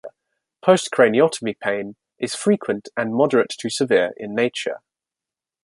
Postcraniotomy pain is frequent and moderate to severe in nature.